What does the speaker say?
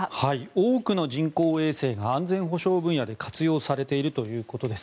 多くの人工衛星が安全保障分野で活用されているということです。